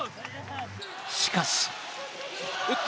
しかし。